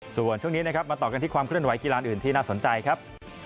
ส่วนช่วงนี้นะครับมาต่อกันที่ความเคลื่อนไหกีฬาอื่นที่น่าสนใจครับ